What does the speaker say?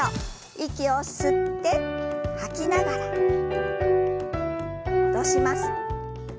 息を吸って吐きながら戻します。